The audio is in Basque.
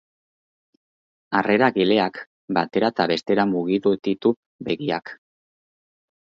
Harreragileak batera eta bestera mugitu ditu begiak.